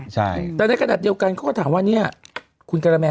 ใช่แต่ในขณะเดียวกันเขาก็ถามว่าเนี่ยคุณการาแมน